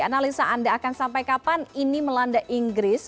analisa anda akan sampai kapan ini melanda inggris